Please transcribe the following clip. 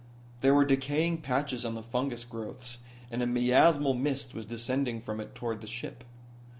There were decaying patches on the fungus growths and a miasmal mist was descending from it toward the ship.